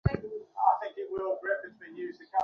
চলো, মেয়ে।